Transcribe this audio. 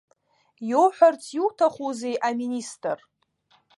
Иоуҳәарц иуҭахузеи аминистр?